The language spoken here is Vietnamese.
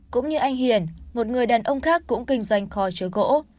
cũng như anh hiền một người đàn ông khác cũng kinh doanh kho chứa gỗ